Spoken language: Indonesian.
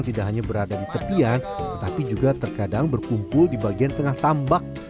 tidak hanya berada di tepian tetapi juga terkadang berkumpul di bagian tengah tambak